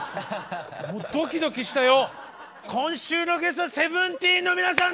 もうドキドキしたよ。